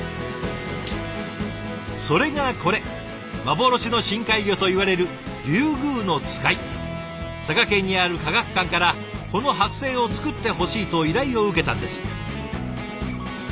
それがこれ幻の深海魚といわれる佐賀県にある科学館からこの剥製を作ってほしいと依頼を受けたんです。